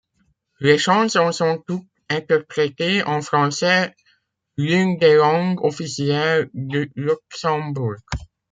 Les chansons sont toutes interprétées en français, l'une des langues officielles du Luxembourg.